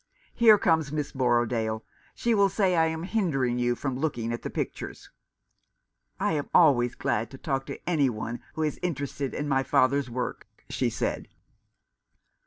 Here comes Miss Borrodaile. She will say I am hindering you from looking at the pictures." " I am always glad to talk to any one who is interested in my father's work," she said.